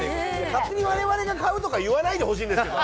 勝手にわれわれが買うとか言わないでほしいんですけど。